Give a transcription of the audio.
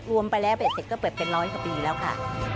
รวมไปแล้วเบ็ดเสร็จก็เปิดเป็นร้อยกว่าปีแล้วค่ะ